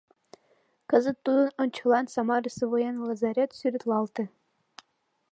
Кызыт тудын ончылан Самарысе военный лазарет сӱретлалте.